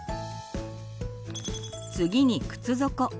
次に靴底。